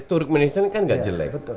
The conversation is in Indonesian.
turuk menyesal kan gak jelek